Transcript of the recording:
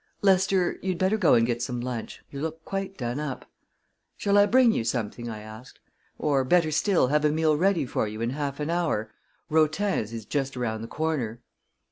"Lester, you'd better go and get some lunch. You look quite done up." "Shall I bring you something?" I asked. "Or, better still, have a meal ready for you in half an hour? Rotin's is just around the corner."